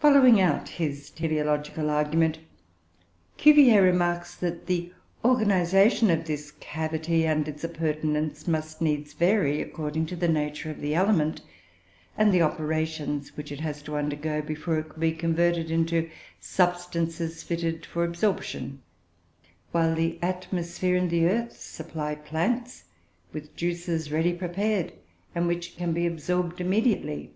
Following out his teleological argument, Cuvier remarks that the organisation of this cavity and its appurtenances must needs vary according to the nature of the aliment, and the operations which it has to undergo, before it can be converted into substances fitted for absorption; while the atmosphere and the earth supply plants with juices ready prepared, and which can be absorbed immediately.